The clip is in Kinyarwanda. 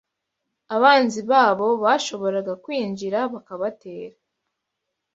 Abanzi babo bashoboraga kwinjira bakabatera